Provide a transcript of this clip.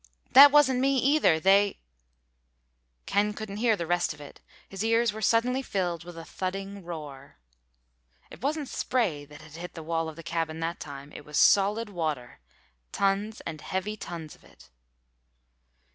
"That wasn't me either! They—" Ken couldn't hear the rest of it. His ears were suddenly filled with a thudding roar. It wasn't spray that had hit the wall of the cabin that time. It was solid water—tons and heavy tons of it.